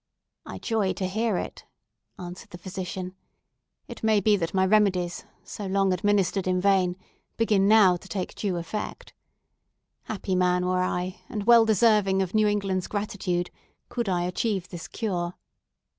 "I joy to hear it," answered the physician. "It may be that my remedies, so long administered in vain, begin now to take due effect. Happy man were I, and well deserving of New England's gratitude, could I achieve this cure!"